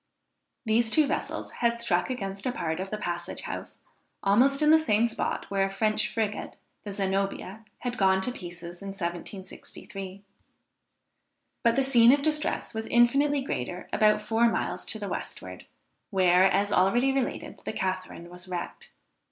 These two vessels had struck against a part of the Passage House, almost in the same spot where a French frigate, the Zenobia, had gone to pieces in 1763. But the scene of distress was infinitely greater about four miles to the westward, where, as already related, the Catharine was wrecked.